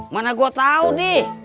mana gue tau tis